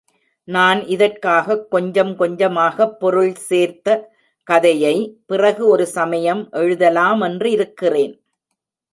நான் இதற்காகக் கொஞ்சம் கொஞ்சமாகப் பொருள் சேர்த்த கதையை, பிறகு ஒரு சமயம் எழுதலா மென்றிருக்கிறேன்.